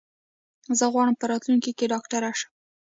زه غواړم په راتلونکي کې ډاکټر شم.